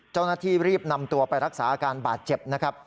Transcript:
เจ้าหน้าที่รีบนำตัวไปรักษาอาการบาดเจ็บนะครับ